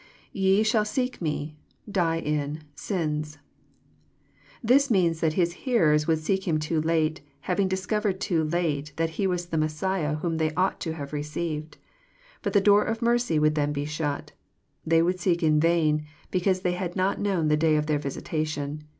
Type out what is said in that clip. [Fe shall seek me,..die in,. .sins.'] This means that His hearers would seek Him too late, having discovered too late that He was the Messiah whom they ought to have received. But the door of mercy would then be shut. They would seek in vain, because they had not known the day of their visitation.